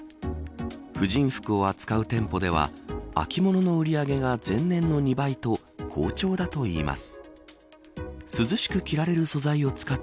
婦人服を扱う店舗では秋物の売り上げが前年の２倍と好調だといいます。